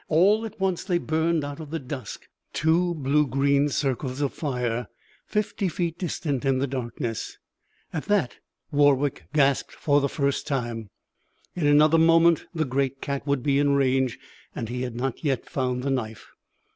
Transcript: All at once they burned out of the dusk; two blue green circles of fire fifty feet distant in the darkness. At that Warwick gasped for the first time. In another moment the great cat would be in range and he had not yet found the knife.